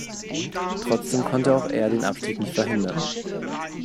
Trotzdem konnte auch er den Abstieg nicht verhindern.